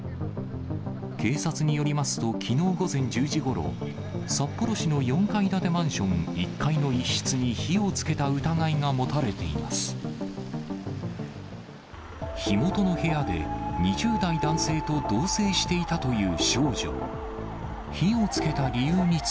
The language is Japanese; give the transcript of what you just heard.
警察によりますと、きのう午前１０時ごろ、札幌市の４階建てマンション１階の一室に火をつけた疑いが持たれています。